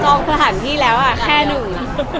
จองความที่แล้วอ่ะแค่หนึ่ง